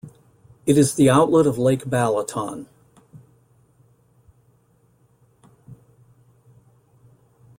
It is the outlet of Lake Balaton.